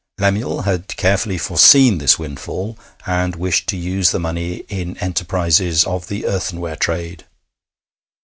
Lemuel had carefully foreseen this windfall, and wished to use the money in enterprises of the earthenware trade.